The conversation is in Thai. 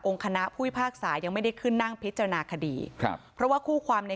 คณะผู้พิพากษายังไม่ได้ขึ้นนั่งพิจารณาคดีครับเพราะว่าคู่ความใน